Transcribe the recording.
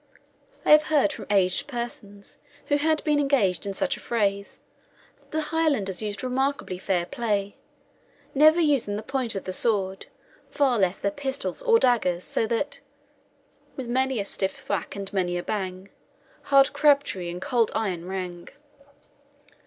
I have heard from aged persons who had been engaged in such affrays, that the Highlanders used remarkably fair play, never using the point of the sword, far less their pistols or daggers; so that With many a stiff thwack and many a bang, Hard crabtree and cold iron rang.